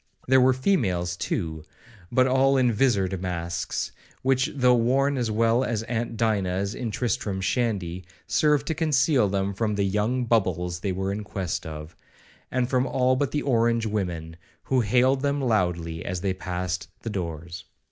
There were females, too, but all in vizard masks, which, though worn as well as aunt Dinah's in Tristram Shandy, served to conceal them from the 'young bubbles' they were in quest of, and from all but the orange women, who hailed them loudly as they passed the doors.